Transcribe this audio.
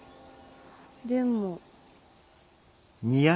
でも。